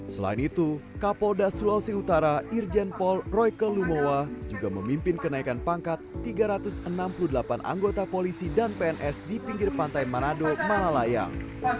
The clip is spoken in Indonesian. selain itu kapolda sulawesi utara irjen pol royke lumowa juga memimpin kenaikan pangkat tiga ratus enam puluh delapan anggota polisi dan pns di pinggir pantai manado malalayang